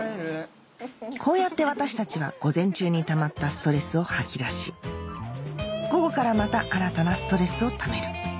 こうやって私たちは午前中にたまったストレスを吐き出し午後からまた新たなストレスをためる